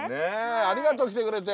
ありがとう来てくれて。